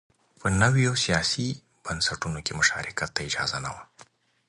په نویو سیاسي بنسټونو کې مشارکت ته اجازه نه وه